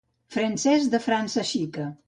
Francès de la França xica.